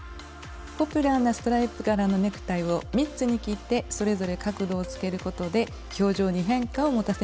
ポピュラーなストライプ柄のネクタイを３つに切ってそれぞれ角度をつけることで表情に変化を持たせました。